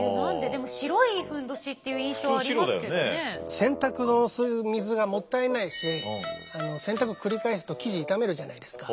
洗濯のそういう水がもったいないし洗濯を繰り返すと生地傷めるじゃないですか。